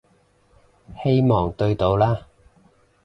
希望對到啦